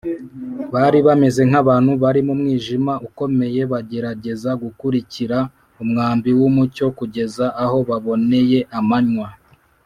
Bari bameze nk’abantu bari mu mwijima ukomeye bagerageza gukurikira umwambi w’umucyo kugeza aho baboneye amanywa